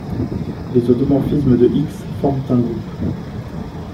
Les automorphismes de X forment un groupe.